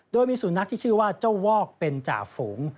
โดยมีสุนัขที่ชื่อว่าเจ้าวอกเป็นจ่าฝูง